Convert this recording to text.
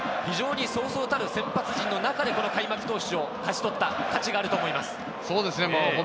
そうそうたる先発陣の中で開幕投手を勝ち取った価値があると思います。